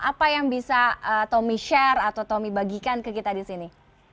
apa yang bisa tommy share atau tommy bagikan ke kita di sini